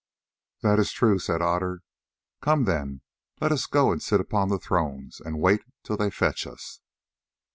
"That is true," said Otter. "Come, then, let us go and sit upon the thrones and wait till they fetch us."